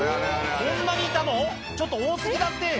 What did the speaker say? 「こんなにいたの⁉ちょっと多過ぎだって」